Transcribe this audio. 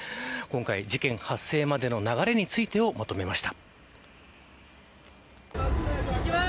今回、事件発生までの流れについてまとめました。